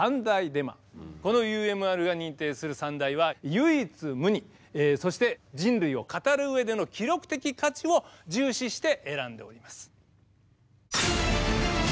このＵＭＲが認定する三大は「唯一無二」そして「人類を語る上での記録的価値」を重視して選んでおります。